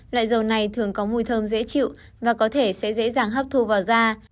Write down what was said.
loại dầu này thường có mùi thơm dễ chịu và có thể sẽ dễ dàng hấp thu vào da